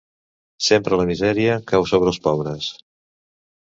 Sempre la misèria cau sobre els pobres.